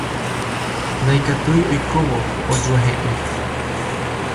Ndikatúi oikóvo ojuehe'ỹ.